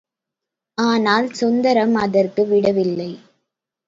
ஆனால் சுந்தரம் அதற்கு விடவில்லை.